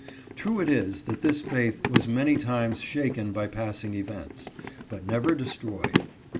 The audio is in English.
True it is that this faith was many times shaken by pass ing events, but never destroyed.